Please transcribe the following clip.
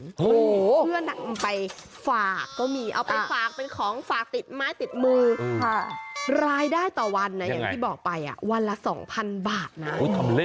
เพื่อนำไปฝากก็มีเอาไปฝากเป็นของฝากติดไม้ติดมือรายได้ต่อวันนะอย่างที่บอกไปวันละ๒๐๐๐บาทนะ